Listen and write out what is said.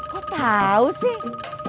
kok tau sih